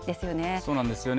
そうなんですよね。